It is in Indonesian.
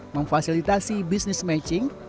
memfasilitasi bisnis matching